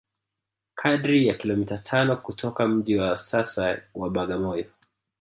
Kadri ya kilomita tano kutoka mji wa sasa wa Bagamoyo